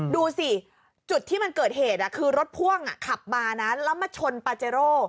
ดูสิจุดที่มันเกิดเหตุคือรถพ่วงขับมานะแล้วมาชนปาเจโร่